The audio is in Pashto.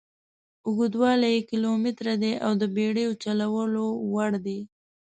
اوږدوالی یې کیلومتره دي او د بېړیو چلولو وړ دي.